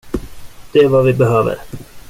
Det är vad vi behöver.